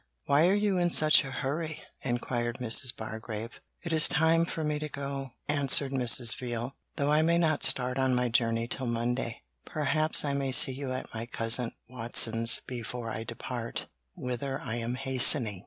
'Why are you in such a hurry?' inquired Mrs. Bargrave. 'It is time for me to go,' answered Mrs. Veal, 'though I may not start on my journey till Monday. Perhaps I may see you at my cousin Watson's before I depart whither I am hastening.'